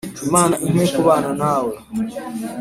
Imana impe kubana nawe